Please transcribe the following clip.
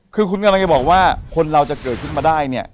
คือคุณกำลังจะบอกว่าคนเราจะเกิดขึ้นมาได้เนี่ย